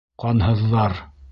Ҡанһыҙҙар!